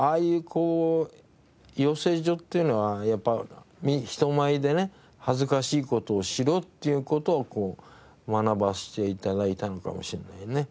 こう養成所っていうのはやっぱ人前でね恥ずかしい事をしろっていう事を学ばせて頂いたのかもしれないね。